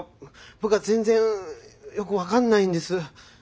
僕は全然よく分かんないんです。